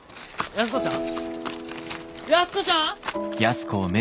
安子ちゃん！？